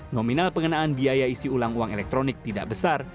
nominal pengenaan biaya isi ulang uang elektronik tidak besar